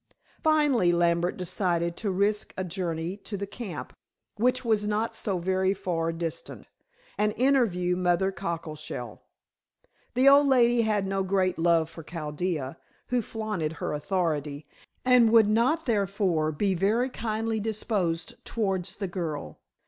Finally, Lambert decided to risk a journey to the camp, which was not so very far distant, and interview Mother Cockleshell. The old lady had no great love for Chaldea, who flouted her authority, and would not, therefore, be very kindly disposed towards the girl.